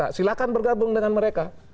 mereka akan bergabung dengan mereka